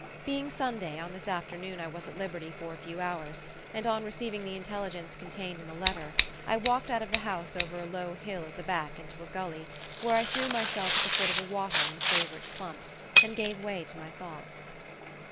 Being Sunday, on this afternoon I was at liberty for a few hours; and on receiving the intelligence contained in the letter, I walked out of the house over a low hill at the back into a gully, where I threw myself at the foot of a wattle in a favourite clump, and gave way to my thoughts.